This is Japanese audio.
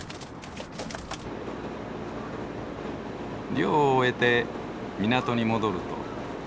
漁を終えて港に戻ると。